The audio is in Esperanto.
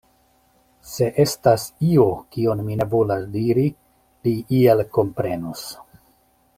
Se estas io, kion mi ne volas diri, li iel komprenos.